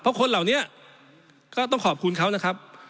เพราะคนเหล่านี้ก็ต้องขอบคุณเขานะครับ